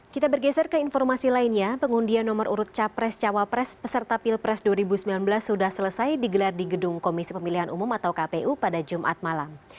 kita bergeser ke informasi lainnya pengundian nomor urut capres cawapres peserta pilpres dua ribu sembilan belas sudah selesai digelar di gedung komisi pemilihan umum atau kpu pada jumat malam